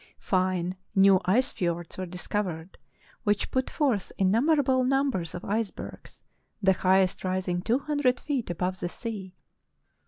Fine new ice fiords were discovered which put forth innumerable numbers of icebergs, the highest rising two hundred feet above the sea.